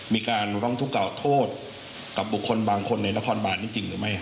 มีการร้องทุกโกะโทษกับบุคคลบางคนในรพบาลจริงหรือไม่ฮะ